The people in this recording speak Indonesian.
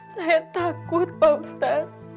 saya takut pak ustaz